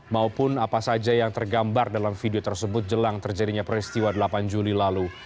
maupun apa saja yang tergambar dalam video tersebut jelang terjadinya peristiwa delapan juli lalu